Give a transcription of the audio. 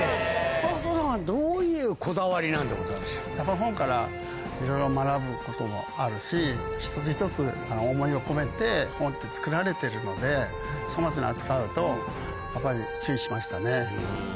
お父さんはどういうこだわりやっぱ、本からいろいろ学ぶこともあるし、一つ一つ思いを込めて、本って作られてるので、粗末に扱うと、やっぱり注意しましたね。